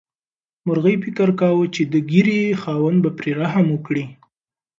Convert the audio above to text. مرغۍ فکر کاوه چې د ږیرې خاوند به پرې رحم وکړي.